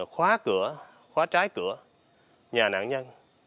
khóa cửa khóa trái cửa nhà nạn nhân